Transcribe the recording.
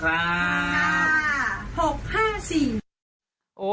ครับ๖๕๔